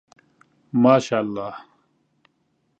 ماشاءالله